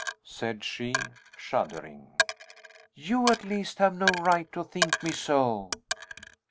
said she, shuddering; "you, at least, have no right to think me so!"